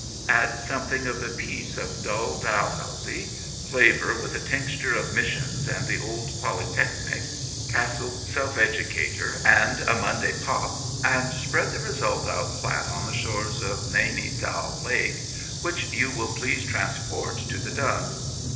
Add something of the peace of dull Dalhousie, flavour with a tincture of mis* sions and the old Polytechnic, Cassell's Self Edu cator and a Monday pop, and spread the result out flat on the shores of Naini Tal Lake, which you will please transport to the Dun.